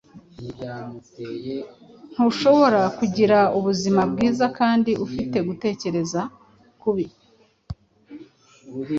Ntushobora kugira ubuzima bwiza kandi ufite gutekereza kubi.